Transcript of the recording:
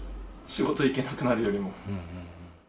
仕事行けなくなるよりも。